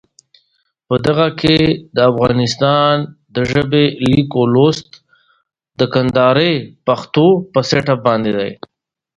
د احمد په چلوټو سر خلاصېدل ستونزمن کار دی.